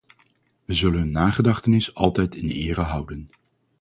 We zullen hun nagedachtenis altijd in ere houden.